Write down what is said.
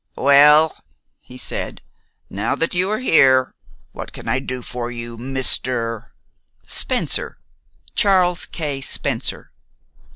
"Well," he said, "now that you are here, what can I do for you, Mr. " "Spencer Charles K. Spencer."